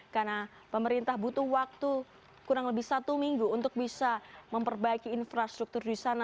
karena pemerintah butuh waktu kurang lebih satu minggu untuk bisa memperbaiki infrastruktur di sana